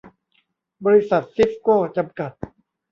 บริษัท ซีฟโก้ จำกัด